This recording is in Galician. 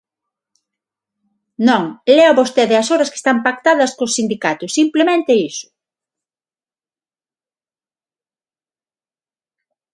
Non, lea vostede as horas que están pactadas cos sindicatos, simplemente iso.